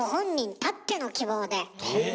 たっての希望で？